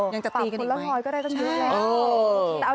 ยังจะตีกันอีกไหมใช่เออโอเคโอเคโอเคโอเคโอเค